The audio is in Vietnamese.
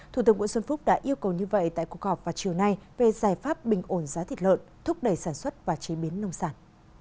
thủ tướng nguyễn xuân phúc đã yêu cầu như vậy tại cuộc họp vào chiều nay về giải pháp bình ổn giá thịt lợn thúc đẩy sản xuất và chế biến nông sản